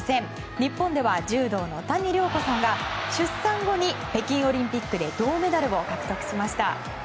日本では、柔道谷亮子さんが出産後に北京オリンピックで銅メダルを獲得しました。